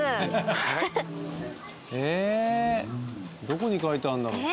どこに書いてあるんだろう？